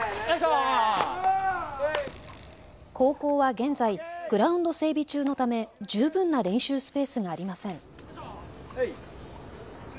高校は現在、グラウンド整備中のため十分な練習スペースがありません。